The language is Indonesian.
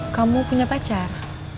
kamu punya pacar